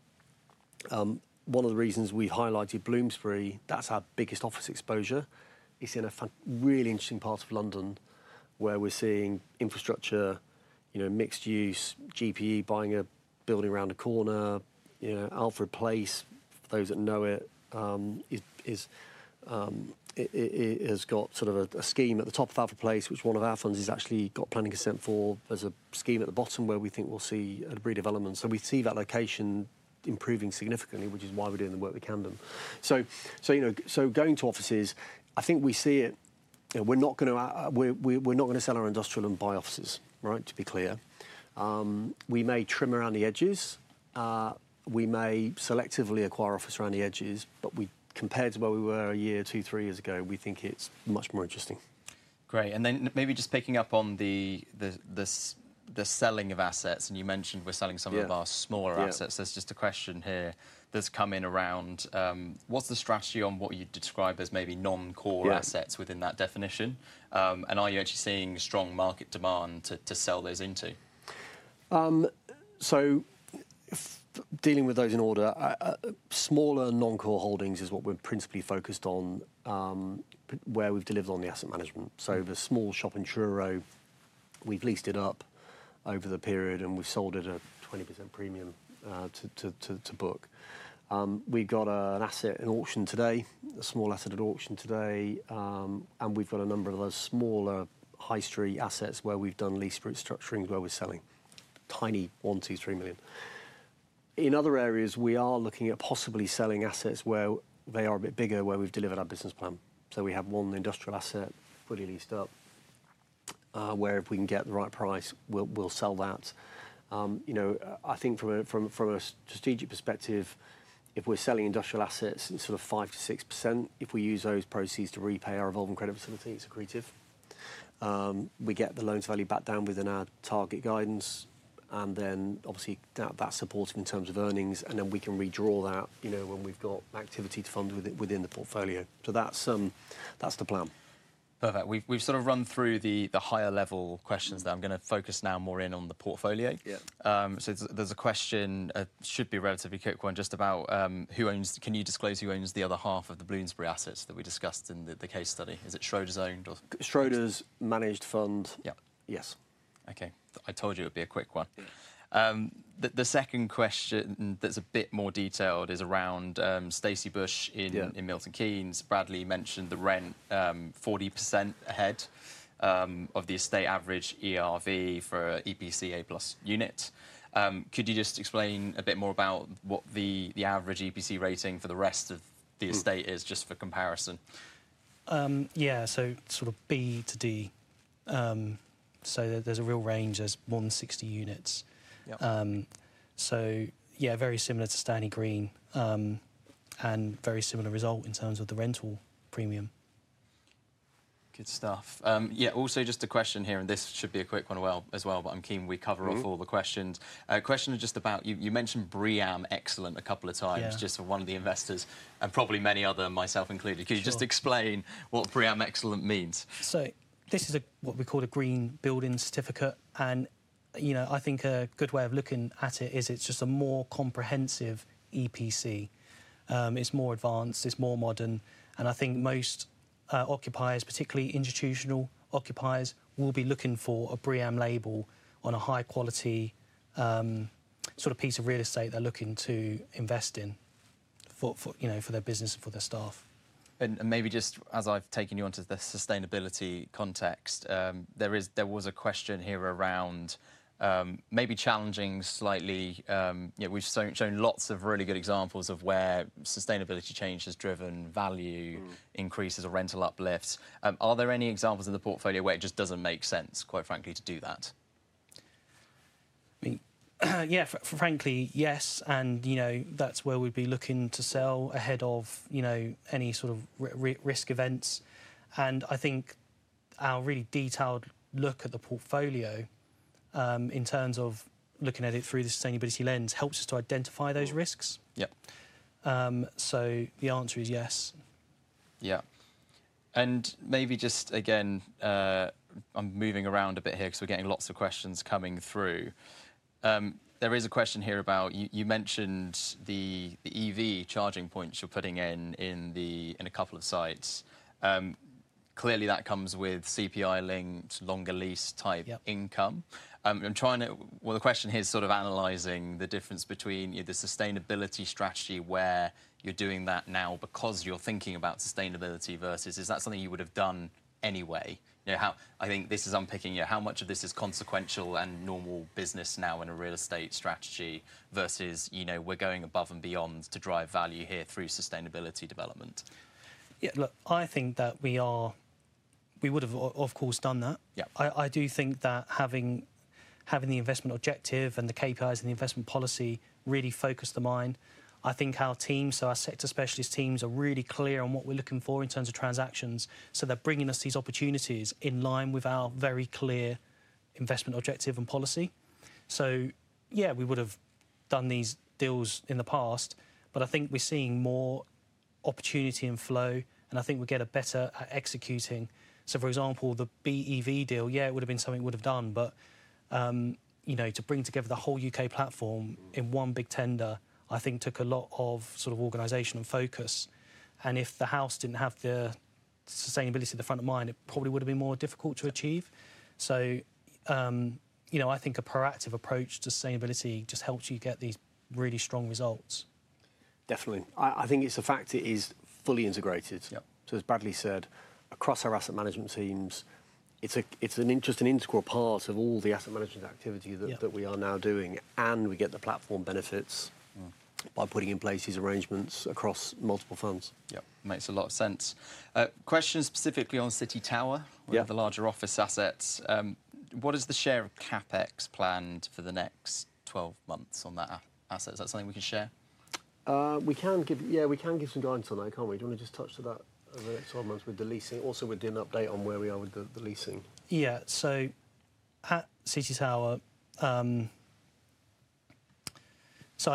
One of the reasons we've highlighted Bloomsbury, that's our biggest office exposure. It's in a really interesting part of London where we're seeing infrastructure, mixed use, GPE buying a building around the corner. Alpha Place, for those that know it, has got sort of a scheme at the top of Alpha Place, which one of our funds has actually got planning consent for. There is a scheme at the bottom where we think we will see a redevelopment. We see that location improving significantly, which is why we are doing the work we can do. Going to offices, I think we see it. We are not going to sell our industrial and buy offices, to be clear. We may trim around the edges. We may selectively acquire office around the edges. Compared to where we were a year, two, three years ago, we think it is much more interesting. Great. Maybe just picking up on the selling of assets. You mentioned we are selling some of our smaller assets. There's just a question here that's come in around what's the strategy on what you describe as maybe non-core assets within that definition? Are you actually seeing strong market demand to sell those into? Dealing with those in order, smaller non-core holdings is what we're principally focused on, where we've delivered on the asset management. The small shop in Truro, we've leased it up over the period, and we've sold it at a 20% premium to book. We got an asset at auction today, a small asset at auction today. We've got a number of those smaller high-street assets where we've done lease route structuring where we're selling tiny one, two, three million. In other areas, we are looking at possibly selling assets where they are a bit bigger, where we've delivered our business plan. We have one industrial asset fully leased up, where if we can get the right price, we'll sell that. I think from a strategic perspective, if we're selling industrial assets in sort of 5%-6%, if we use those proceeds to repay our revolving credit facilities, accretive, we get the loan value back down within our target guidance. Obviously, that's supported in terms of earnings. We can redraw that when we've got activity to fund within the portfolio. That's the plan. Perfect. We've run through the higher-level questions, so I'm going to focus now more in on the portfolio. There's a question, should be a relatively quick one, just about who owns, can you disclose who owns the other half of the Bloomsbury assets that we discussed in the case study? Is it Schroder's owned or? Schroder's managed fund. Yes. Okay. I told you it would be a quick one. The second question that's a bit more detailed is around Stacey Bushes in Milton Keynes. Bradley mentioned the rent, 40% ahead of the estate average ERV for EPC A-plus unit. Could you just explain a bit more about what the average EPC rating for the rest of the estate is, just for comparison? Yeah. So sort of B to D. So there's a real range. There's more than 60 units. So yeah, very similar to Stanley Green and very similar result in terms of the rental premium. Good stuff. Yeah. Also just a question here, and this should be a quick one as well, but I'm keen we cover off all the questions. Question just about you mentioned BREEAM Excellent a couple of times, just for one of the investors, and probably many other, myself included. Could you just explain what BREEAM Excellent means? This is what we call a green building certificate. I think a good way of looking at it is it's just a more comprehensive EPC. It's more advanced. It's more modern. I think most occupiers, particularly institutional occupiers, will be looking for a BREEAM label on a high-quality sort of piece of real estate they're looking to invest in for their business and for their staff. Maybe just as I've taken you onto the sustainability context, there was a question here around maybe challenging slightly. We've shown lots of really good examples of where sustainability change has driven value increases or rental uplifts. Are there any examples in the portfolio where it just doesn't make sense, quite frankly, to do that? Yeah, frankly, yes. That is where we would be looking to sell ahead of any sort of risk events. I think our really detailed look at the portfolio in terms of looking at it through the sustainability lens helps us to identify those risks. The answer is yes. Maybe just again, I am moving around a bit here because we are getting lots of questions coming through. There is a question here about you mentioned the EV charging points you are putting in a couple of sites. Clearly, that comes with CPI-linked longer lease type income. The question here is sort of analyzing the difference between the sustainability strategy where you are doing that now because you are thinking about sustainability versus is that something you would have done anyway? I think this is unpicking how much of this is consequential and normal business now in a real estate strategy versus we're going above and beyond to drive value here through sustainability development. Yeah, look, I think that we would have, of course, done that. I do think that having the investment objective and the KPIs and the investment policy really focused the mind. I think our teams, our sector specialist teams are really clear on what we're looking for in terms of transactions. So they're bringing us these opportunities in line with our very clear investment objective and policy. Yeah, we would have done these deals in the past. I think we're seeing more opportunity and flow. I think we'll get better at executing. For example, the BEV deal, yeah, it would have been something we would have done. To bring together the whole U.K. platform in one big tender, I think took a lot of sort of organization and focus. If the House did not have the sustainability at the front of mind, it probably would have been more difficult to achieve. I think a proactive approach to sustainability just helps you get these really strong results. Definitely. I think it is the fact it is fully integrated. As Bradley said, across our asset management teams, it is an interesting integral part of all the asset management activity that we are now doing. We get the platform benefits by putting in place these arrangements across multiple funds. Yep. Makes a lot of sense. Question specifically on City Tower, one of the larger office assets. What is the share of CapEx planned for the next 12 months on that asset? Is that something we can share? We can. Yeah, we can give some guidance on that, can't we? Do you want to just touch to that over the next 12 months with the leasing? Also, we're doing an update on where we are with the leasing. Yeah. At City Tower, I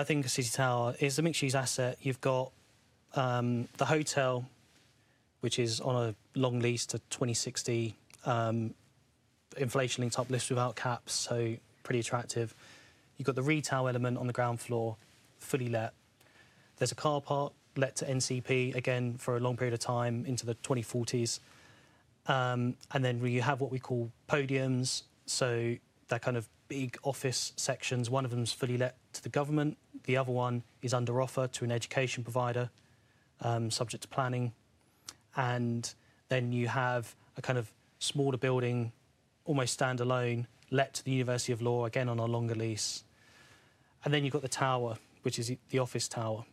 think City Tower is a mixed-use asset. You've got the hotel, which is on a long lease to 2060, inflationally topped lease without caps, so pretty attractive. You've got the retail element on the ground floor, fully let. There's a car park let to NCP, again, for a long period of time into the 2040s. Then you have what we call podiums, so they're kind of big office sections. One of them is fully let to the government. The other one is under offer to an education provider, subject to planning. You have a kind of smaller building, almost standalone, let to the University of Law, again, on a longer lease. You have the tower, which is the office tower.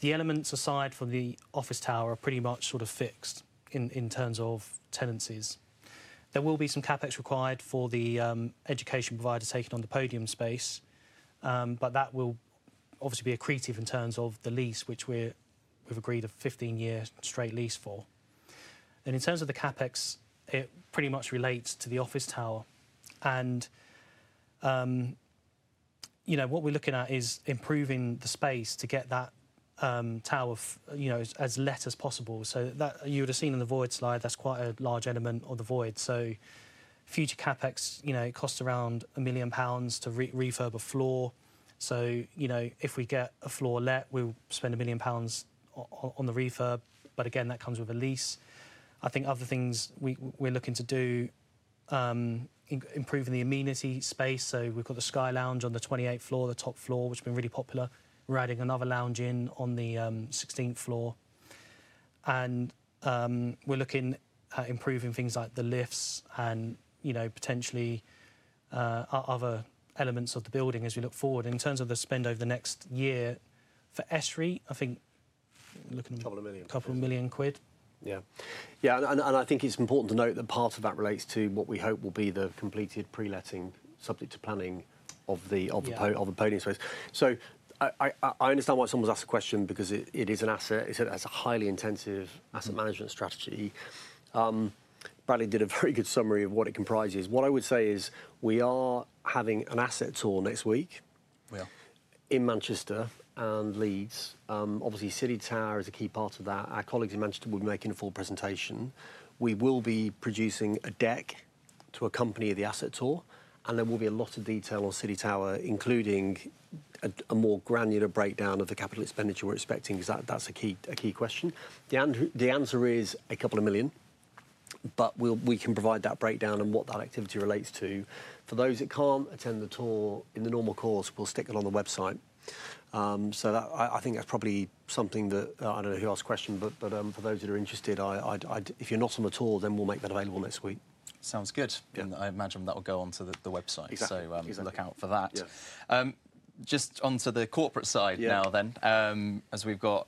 The elements aside from the office tower are pretty much sort of fixed in terms of tenancies. There will be some CapEx required for the education provider taking on the podium space. That will obviously be accretive in terms of the lease, which we have agreed a 15-year straight lease for. In terms of the CapEx, it pretty much relates to the office tower. What we are looking at is improving the space to get that tower as let as possible. You would have seen on the void slide, that is quite a large element on the void. Future CapEx costs around 1 million pounds to refurb a floor. If we get a floor let, we'll spend 1 million pounds on the refurb. Again, that comes with a lease. I think other things we're looking to do, improving the amenity space. We've got the Sky Lounge on the 28th floor, the top floor, which has been really popular. We're adding another lounge in on the 16th floor. We're looking at improving things like the lifts and potentially other elements of the building as we look forward. In terms of the spend over the next year for SREI, I think we're looking at a couple of million quid. Yeah. I think it's important to note that part of that relates to what we hope will be the completed pre-letting, subject to planning, of the podium space. I understand why someone's asked the question because it is an asset. It's a highly intensive asset management strategy. Bradley did a very good summary of what it comprises. What I would say is we are having an asset tour next week in Manchester and Leeds. Obviously, City Tower is a key part of that. Our colleagues in Manchester will be making a full presentation. We will be producing a deck to accompany the asset tour. There will be a lot of detail on City Tower, including a more granular breakdown of the capital expenditure we're expecting, because that's a key question. The answer is a couple of million. We can provide that breakdown and what that activity relates to. For those that can't attend the tour in the normal course, we'll stick it on the website. I think that's probably something that I don't know who asked the question, but for those that are interested, if you're not on the tour, then we'll make that available next week. Sounds good. I imagine that will go onto the website. Look out for that. Just onto the corporate side now, as we've got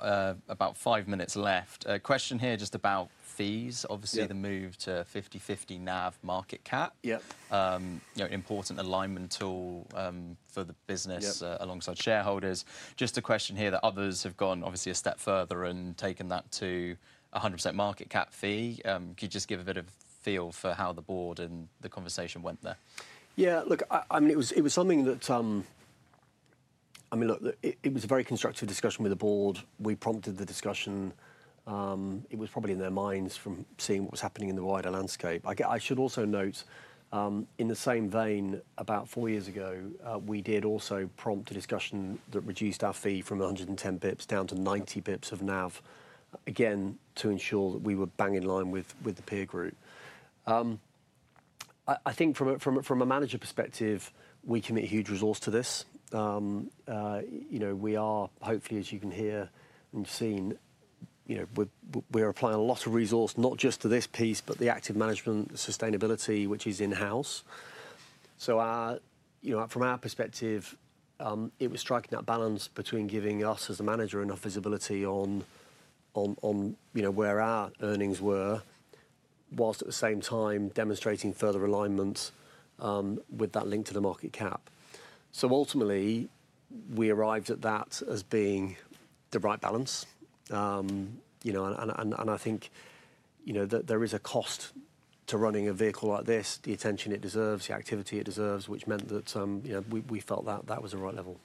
about five minutes left. A question here just about fees. Obviously, the move to 50/50 NAV market cap, an important alignment tool for the business alongside shareholders. A question here that others have gone, obviously, a step further and taken that to 100% market cap fee. Could you just give a bit of feel for how the board and the conversation went there? Yeah. Look, I mean, it was something that, I mean, it was a very constructive discussion with the board. We prompted the discussion. It was probably in their minds from seeing what was happening in the wider landscape. I should also note, in the same vein, about four years ago, we did also prompt a discussion that reduced our fee from 110 basis points down to 90 basis points of NAV, again, to ensure that we were bang in line with the peer group. I think from a manager perspective, we commit huge resource to this. We are, hopefully, as you can hear and see, we're applying a lot of resource, not just to this piece, but the active management, the sustainability, which is in-house. From our perspective, it was striking that balance between giving us as a manager enough visibility on where our earnings were, whilst at the same time demonstrating further alignment with that link to the market cap. Ultimately, we arrived at that as being the right balance. I think there is a cost to running a vehicle like this, the attention it deserves, the activity it deserves, which meant that we felt that that was the right level.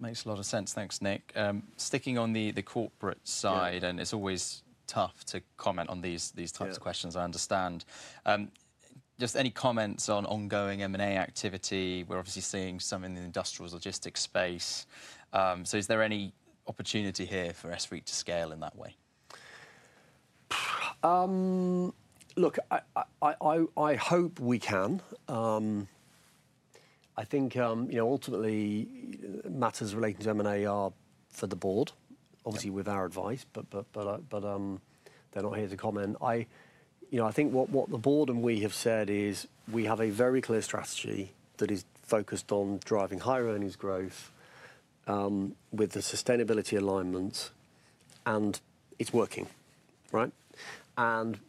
Makes a lot of sense. Thanks, Nick. Sticking on the corporate side, and it's always tough to comment on these types of questions, I understand. Just any comments on ongoing M&A activity? We're obviously seeing some in the industrial logistics space. Is there any opportunity here for SREI to scale in that way? I hope we can. I think ultimately, matters relating to M&A are for the board, obviously with our advice, but they're not here to comment. I think what the board and we have said is we have a very clear strategy that is focused on driving higher earnings growth with the sustainability alignment, and it's working, right?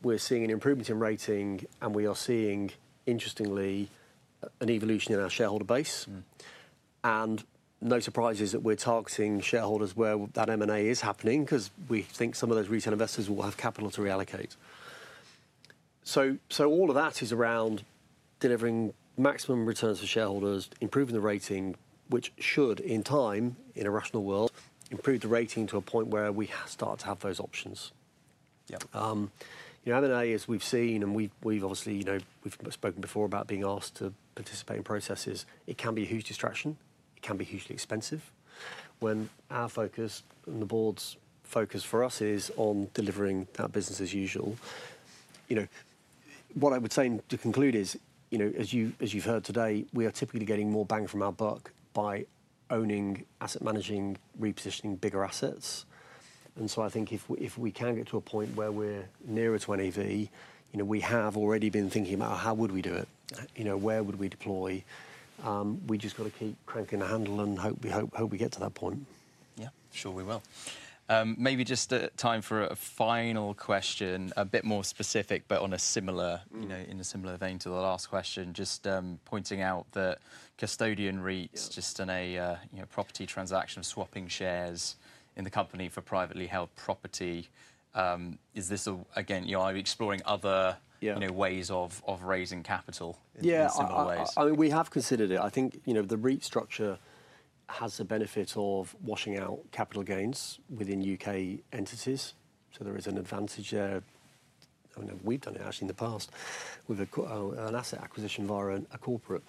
We're seeing an improvement in rating, and we are seeing, interestingly, an evolution in our shareholder base. No surprise is that we're targeting shareholders where that M&A is happening because we think some of those retail investors will have capital to reallocate. All of that is around delivering maximum returns for shareholders, improving the rating, which should, in time, in a rational world, improve the rating to a point where we start to have those options. M&A, as we've seen, and we've obviously spoken before about being asked to participate in processes, it can be a huge distraction. It can be hugely expensive. When our focus and the Board's focus for us is on delivering that business as usual, what I would say to conclude is, as you've heard today, we are typically getting more bang for our buck by owning, asset managing, repositioning bigger assets. I think if we can get to a point where we're nearer to an EV, we have already been thinking about how would we do it, where would we deploy. We just got to keep cranking the handle and hope we get to that point. Yeah, sure we will. Maybe just time for a final question, a bit more specific, but in a similar vein to the last question, just pointing out that Custodian REIT, just in a property transaction of swapping shares in the company for privately held property, is this again, are we exploring other ways of raising capital in similar ways? Yeah, I mean, we have considered it. I think the REIT structure has the benefit of washing out capital gains within U.K. entities. There is an advantage there. I mean, we've done it actually in the past with an asset acquisition via a corporate.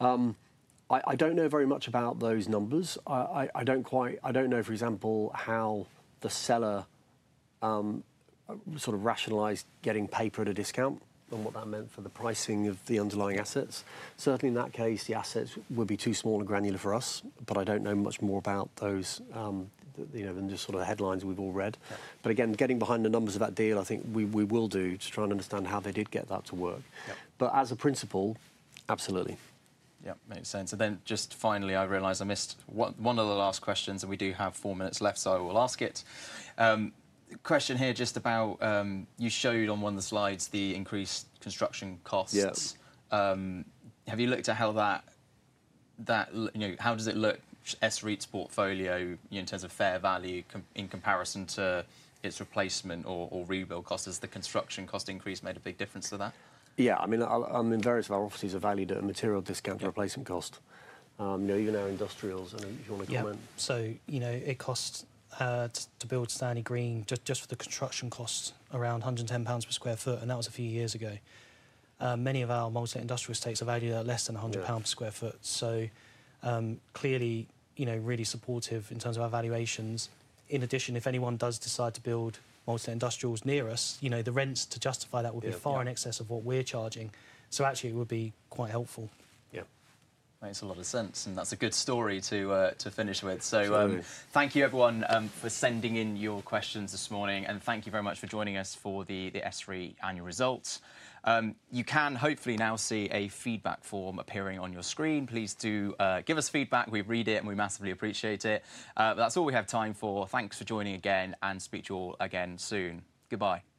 I don't know very much about those numbers. I don't know, for example, how the seller sort of rationalized getting paper at a discount and what that meant for the pricing of the underlying assets. Certainly, in that case, the assets would be too small and granular for us. I don't know much more about those than just sort of the headlines we've all read. Again, getting behind the numbers of that deal, I think we will do to try and understand how they did get that to work. As a principle, absolutely. Yep, makes sense. Then just finally, I realize I missed one of the last questions, and we do have four minutes left, so I will ask it. Question here just about you showed on one of the slides the increased construction costs. Have you looked at how that, how does it look, SREI's portfolio in terms of fair value in comparison to its replacement or rebuild costs? Has the construction cost increase made a big difference to that? Yeah, I mean, in various of our offices, I valued a material discount replacement cost. Even our industrials, if you want to comment. Yeah, so it costs to build Stanley Green just for the construction costs around 110 pounds per sq ft, and that was a few years ago. Many of our multi-industrial estates are valued at less than 100 pounds per sq ft. Clearly, really supportive in terms of our valuations. In addition, if anyone does decide to build multi-industrials near us, the rents to justify that would be far in excess of what we're charging. Actually, it would be quite helpful. Yeah, makes a lot of sense. That is a good story to finish with. Thank you, everyone, for sending in your questions this morning. Thank you very much for joining us for the SREI annual results. You can hopefully now see a feedback form appearing on your screen. Please do give us feedback. We read it, and we massively appreciate it. That is all we have time for. Thanks for joining again, and speak to you all again soon. Goodbye. Thank you.